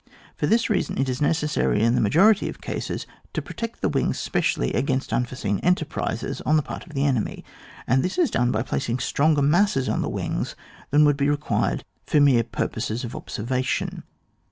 For this reason it is necessary in the majo rity of cases to protect the wings spe cify against unforeseen enterprises on the part of the enemy, and this is done by placing stronger masses on the wings than would be required for mere pur* poses of observation.